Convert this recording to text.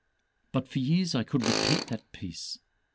But for years, I could repeat that piece.